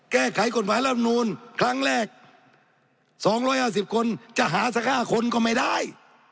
แก้ไขกฎหมายรับนูลครั้งแรก๒๕๐คนจะหาสัก๕คนก็ไม่ได้